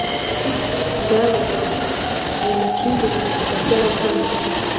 zabagaho. Ayo makimbirane hagati y’abavandimwe